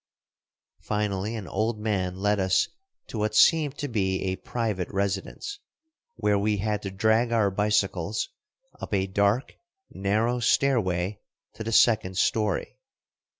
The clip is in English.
Finally an old man led us to what seemed to be a private residence, where we had to drag our bicycles up a dark narrow stairway to the second story.